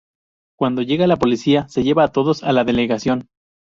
Cuando llega la policía, se lleva a todos a la delegación.